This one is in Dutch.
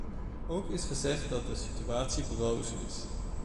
Ook is gezegd dat de situatie broos is.